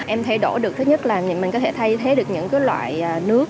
em thay đổi được thứ nhất là mình có thể thay thế được những loại nước